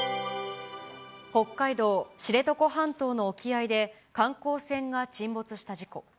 北海道知床半島の沖合で、観光船が沈没した事故。